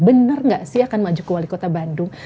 benar nggak sih akan maju ke wali kota bandung